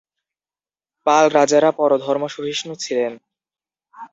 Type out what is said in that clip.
পাল রাজারা পরধর্মসহিষ্ণু ছিলেন।